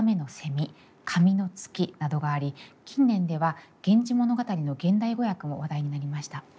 「紙の月」などがあり近年では「源氏物語」の現代語訳も話題になりました。